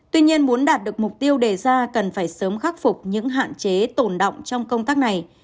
tuy nhiên muốn đạt được mục tiêu đề ra cần phải sớm khắc phục những hạn chế tồn động trong công tác này